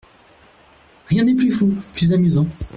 Rien n'est plus fou, plus amusant.